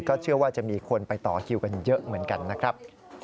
เชื่อว่าจะมีคนไปต่อคิวกันเยอะเหมือนกันนะครับ